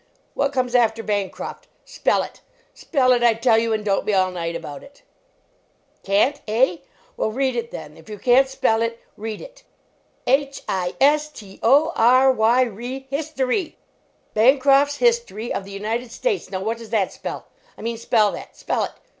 What comes after Bancroft? Spell it! Spell it, I tell you, and don t be all night about it ! 39 LEARNING TO READ Can t, eh? Well, read it then; if you can t spell it, read it. H i s t o r y ry, history; Bancroft s History of the United States! Now what does that spell? I mean, spell that ! Spell it